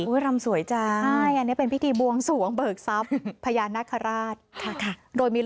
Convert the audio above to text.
อุ๊ยรำสวยจ้าใช่อันนี้เป็นพิธีบวงสวงเบิกซับ